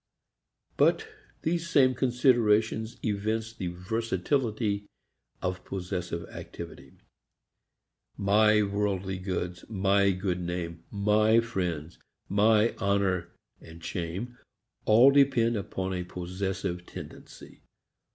But these same considerations evince the versatility of possessive activity. My worldly goods, my good name, my friends, my honor and shame all depend upon a possessive tendency.